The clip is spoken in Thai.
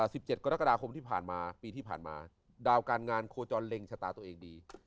สิบเจ็ดกรกฎาคมที่ผ่านมาปีที่ผ่านมาดาวการงานโคจรเล็งชะตาตัวเองดี